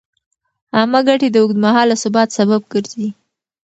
عامه ګټې د اوږدمهاله ثبات سبب ګرځي.